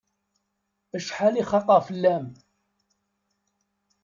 Acḥal i xaqeɣ fell-am!